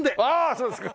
そうですか！